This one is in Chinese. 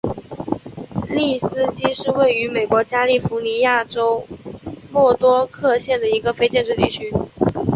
利斯基是位于美国加利福尼亚州莫多克县的一个非建制地区。